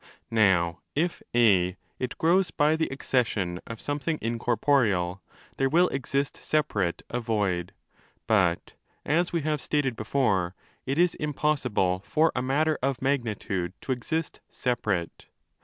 Now, if (a) it grows by the accession of something incorporeal, there will exist separate a void: but (as we have stated before) 1 it is impossible for a matter of magnitude to exist 'separate'.